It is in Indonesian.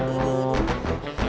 petersi kedung tau